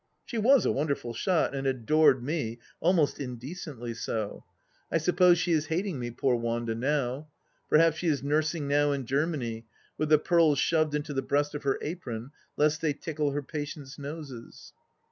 She was a wonderful shot, and adored me — almost indecently so. I suppose she is hating me, poor Wanda, now ! Perhaps she is nursing now in Germany, with the pearls shoved into the breast of her apron lest they tickle her patients' noses